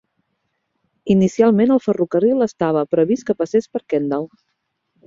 Inicialment, el ferrocarril estava previst que passés per Kendal.